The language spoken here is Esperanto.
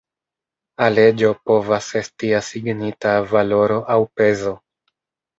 Al eĝo povas esti asignita valoro aŭ pezo.